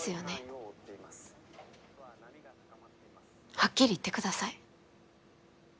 はっきり言ってください。